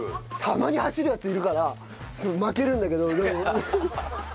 たまに走るヤツいるから負けるんだけどでも。